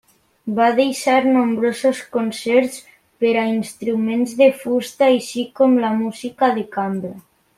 Va deixar nombrosos concerts per a instruments de fusta, així com música de cambra.